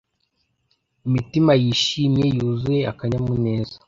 imitima yishimye yuzuye akanyamuneza